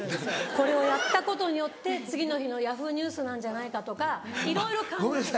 これをやったことによって次の日のＹａｈｏｏ！ニュースなんじゃないかとかいろいろ考えて。